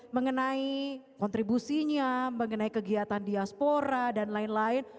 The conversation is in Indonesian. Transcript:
mengenai kontribusinya mengenai kegiatan diaspora dan lain lain